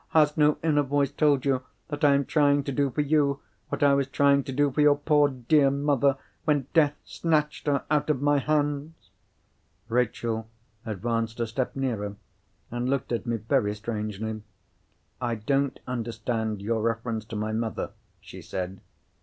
Has no inner voice told you that I am trying to do for you, what I was trying to do for your dear mother when death snatched her out of my hands?" Rachel advanced a step nearer, and looked at me very strangely. "I don't understand your reference to my mother," she said.